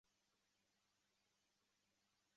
设立邮递投票则可便利因公外出的人士投票。